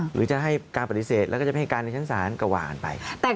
หรือจะให้การปฏิเสธแล้วก็จะไม่ให้การในชั้นศาลก็ว่ากันไป